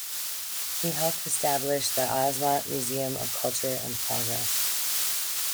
He helped establish the Asmat Museum of Culture and Progress.